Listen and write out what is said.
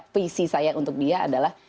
puisi saya untuk dia adalah